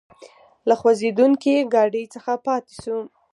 له خوځېدونکي ګاډي څخه پاتې شوو.